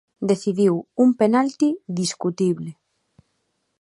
Decidiu un penalti discutible.